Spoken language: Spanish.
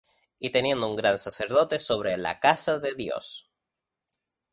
Y teniendo un gran sacerdote sobre la casa de Dios,